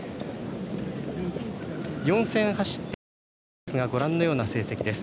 ４戦走って３勝ですがご覧のような成績です。